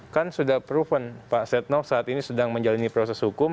kan sudah proven pak setnov saat ini sedang menjalani proses hukum